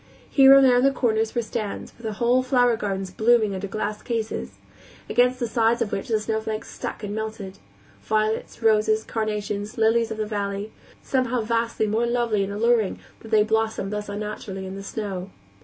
Here and there on the corners were stands, with whole flower gardens blooming under glass cases, against the sides of which the snowflakes stuck and melted; violets, roses, carnations, lilies of the valley somehow vastly more lovely and alluring that they blossomed thus unnaturally in the snow.